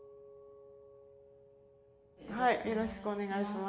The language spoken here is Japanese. よろしくお願いします。